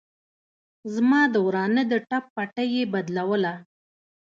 زما د ورانه د ټپ پټۍ يې بدلوله.